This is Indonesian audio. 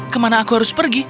kemana aku harus pergi